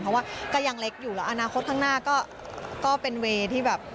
เพราะว่าก็ยังเล็กอยู่แล้วอนาคตข้างหน้าก็เป็นเวย์ที่แบบ